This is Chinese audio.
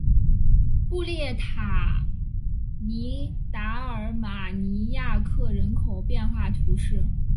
布列塔尼达尔马尼亚克人口变化图示